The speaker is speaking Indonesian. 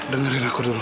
dengerin aku dulu